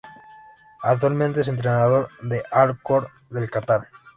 Actualmente, es entrenador del Al-Khor del Catar.